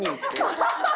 ハハハハ！